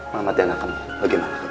mahat ya anak kamu bagaimana kabar